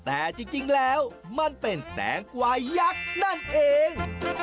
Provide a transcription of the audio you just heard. แต่จริงแล้วมันเป็นแตงกวายยักษ์นั่นเอง